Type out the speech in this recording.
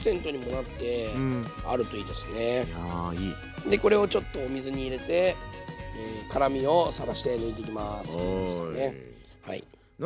でこれをちょっとお水に入れて辛みをさらして抜いていきます。